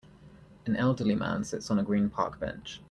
An elderly man sits on a green park bench.